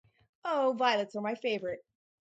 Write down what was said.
Oh violets are my favourite!